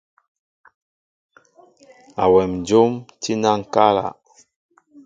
Awem njóm tí na ŋkala.